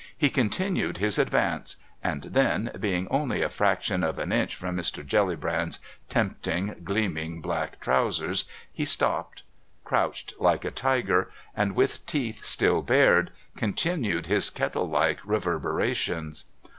He continued his advance and then, being only a fraction of an inch from Mr. Jellybrand's tempting gleaming black trousers, he stopped, crouched like a tiger, and with teeth still bared continued his kettle like reverberations.